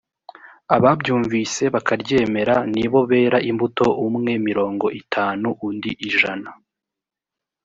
ababyumvise bakaryemera ni bo bera imbuto umwe mirongo itanu undi ijana